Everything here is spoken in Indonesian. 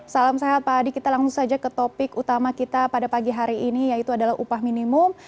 salam sehat pak adi kita langsung saja ke topik utama kita pada pagi hari ini yaitu adalah upah minimum